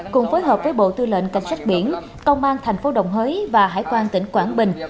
cùng phối hợp với bộ tư lệnh cảnh sát biển công an thành phố đồng hới và hải quan tỉnh quảng bình